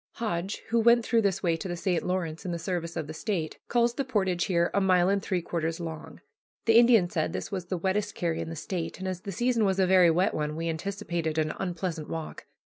Hodge, who went through this way to the St. Lawrence in the service of the State, calls the portage here a mile and three quarters long. The Indian said this was the wettest carry in the State, and as the season was a very wet one we anticipated an unpleasant walk.